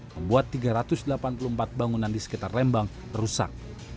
membuat tiga ratus delapan puluh empat bangunan di sekitar lembang rusak